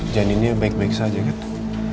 janinnya baik baik saja gitu